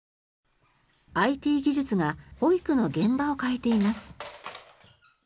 ＩＴ技術が保育の現場を変えています。